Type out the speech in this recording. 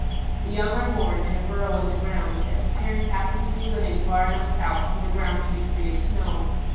The young are born in a burrow in the ground, if the parents happen to be living far enough south for the ground to be free of snow.